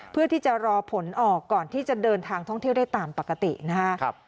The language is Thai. เพื่อที่จะรอผลออกก่อนที่จะเดินทางท่องเที่ยวได้ตามปกตินะครับ